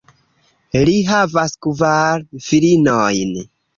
Li havas kvar filinojn.